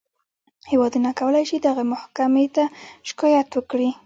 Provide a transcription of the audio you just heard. هېوادونه کولی شي دغې محکمې ته شکایت وکړي.